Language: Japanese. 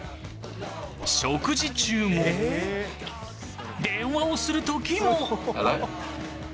食事中も、電話をするときも。